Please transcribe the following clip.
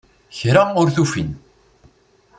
Kra ur t-ufin.